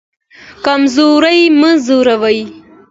کمزوری مه ځوروئ